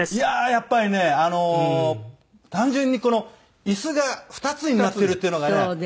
やっぱりね単純に椅子が２つになっているっていうのがね